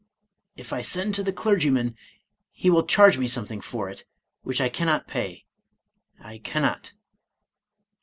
" If I send to the clergyman, he will charge me something for it, which I cannot pay, — I cannot.